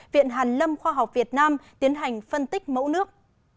viện hàn lâm khoa học việt nam tiến hành phân tích mẫu nước